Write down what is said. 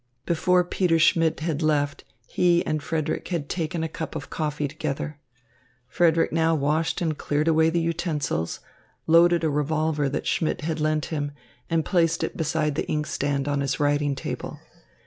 Before Peter Schmidt had left, he and Frederick had taken a cup of coffee together. Frederick now washed and cleared away the utensils, loaded a revolver that Schmidt had lent him, and placed it beside the inkstand on his writing table.